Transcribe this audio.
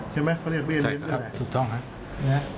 ใช่ไหมเขาเรียกเบี้ยเลี้ยงด้วยใช่ครับถูกต้องครับ